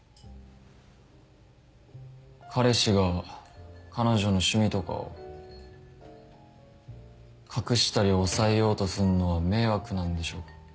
彼氏が彼女の趣味とかを隠したり抑えようとすんのは迷惑なんでしょうか？